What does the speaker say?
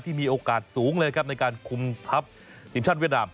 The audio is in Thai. มีโอกาสสูงเลยครับในการคุมทัพทีมชาติเวียดนาม